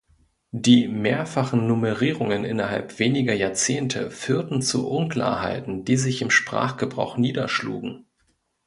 Die mehrfachen Nummerierungen innerhalb weniger Jahrzehnte führten zu Unklarheiten, die sich im Sprachgebrauch niederschlugen.